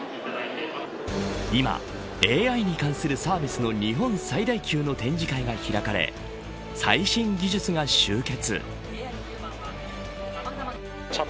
今、ＡＩに関するサービスの日本最大級の展示会が開かれ最新技術が集結。